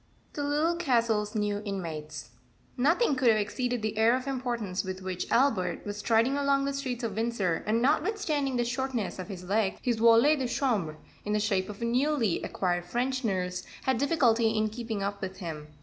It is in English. THE LITTLE CASTLE'S NEW INMATES. [Illustration: 9221] Nothing could have exceeded the air of importance with which Albert was striding along the streets of Windsor, and notwithstanding the shortness of his legs, his valet de chambre, in the shape of a newly acquired French nurse, had difficulty in keeping up with him.